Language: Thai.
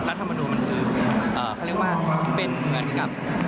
รัฐมนูลมันคือเขาเรียกว่าเป็นเหมือนกับ